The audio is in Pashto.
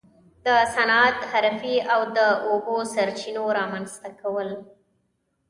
د صنعت، حرفې او د اوبو سرچینو رامنځته کول.